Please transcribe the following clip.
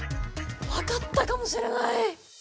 わかったかもしれない！